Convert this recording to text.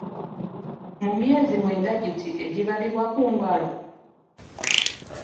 Mu myezi mwenda giti egibalibwa ku ngalo?